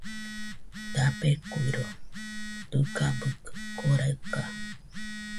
Dabeikuiro dɨgabɨkɨ koraɨka